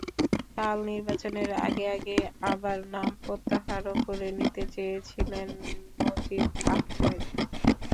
কাল নির্বাচনের আগে আগে আবার নাম প্রত্যাহারও করে নিতে চেয়েছিলেন নজীব আহমেদ।